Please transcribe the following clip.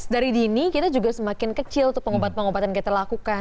dari dini kita juga semakin kecil untuk pengobatan pengobatan yang kita lakukan